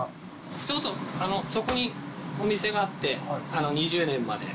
ちょうどそこにお店があって、２０年まで。